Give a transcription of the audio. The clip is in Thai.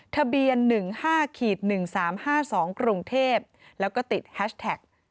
ทะเบียน๑๕๑๓๕๒กรุงเทพแล้วก็ติดแฮชแท็ก